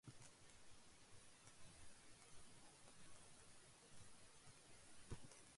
عالمی سطح پر معاشی سست روی کے باوجود ترسیلات زر میں اضافہ